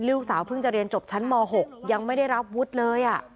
ลูกสาวเพิ่งจะเรียนจบชั้นม๖ยังไม่ได้รับวุฒิเลย